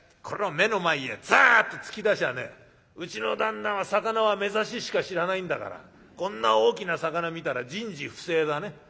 これを目の前へずっと突き出しゃあねうちの旦那は魚は目刺ししか知らないんだからこんな大きな魚見たら人事不省だね。